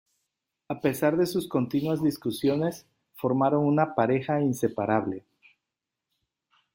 A pesar de sus continuas discusiones, formaron una pareja inseparable.